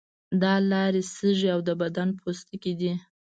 دا لارې سږی او د بدن پوستکی دي.